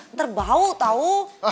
nanti bau tahu